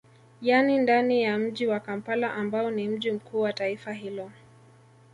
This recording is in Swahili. Yani ndani ya mji wa Kampala ambao ni mji mkuu wa taifa hilo